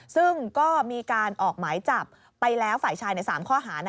ซึ่งก็มีการออกหมายจับไปแล้วฝ่ายชายใน๓ข้อหา